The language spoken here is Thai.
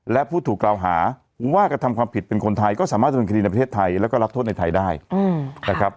และผู้ถูกกล่าวหาว่ากระทำความผิดเป็นคนไทยก็สามารถดำเนินคดีในประเทศไทยแล้วก็รับโทษในไทยได้นะครับ